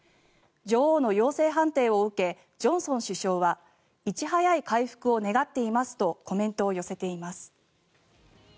女王の陽性判定を受けジョンソン首相はいち早い回復を願っていますとコメントを寄せています。